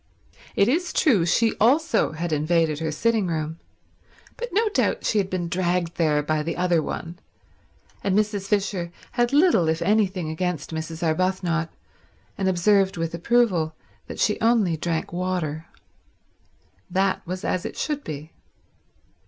It is true she also had invaded her sitting room, but no doubt she had been dragged there by the other one, and Mrs. Fisher had little if anything against Mrs. Arbuthnot, and observed with approval that she only drank water. That was as it should be.